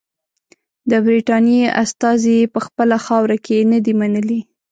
د برټانیې استازي یې په خپله خاوره کې نه دي منلي.